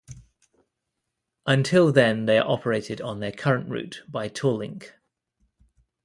Until then they are operated on their current route by Tallink.